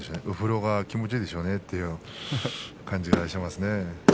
お風呂が気持ちいいでしょうねという感じがしますね。